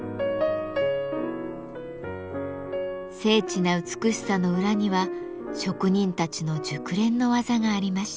精緻な美しさの裏には職人たちの熟練の技がありました。